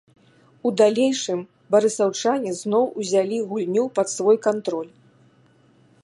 У далейшым барысаўчане зноў узялі гульню пад свой кантроль.